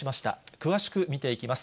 詳しく見ていきます。